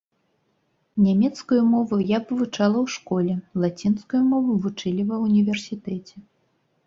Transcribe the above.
Нямецкую мову я вывучала ў школе, лацінскую мову вучылі ва ўніверсітэце.